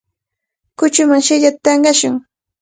Kuchuman siillata tanqashun.